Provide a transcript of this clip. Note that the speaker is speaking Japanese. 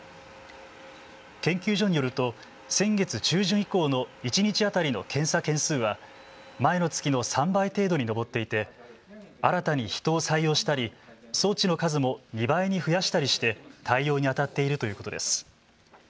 研究所によると先月中旬以降の一日当たりの検査件数は前の月の３倍程度に上っていて新たに人を採用したり装置の数も２倍に増やしたりして対応にあたっているということです。